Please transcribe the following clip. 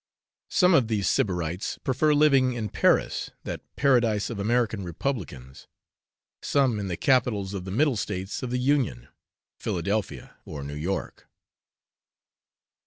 Some of these Sybarites prefer living in Paris, that paradise of American republicans, some in the capitals of the middle states of the union, Philadelphia or New York.